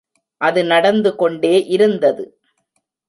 அது நடந்து கொண்டே இருந்தது.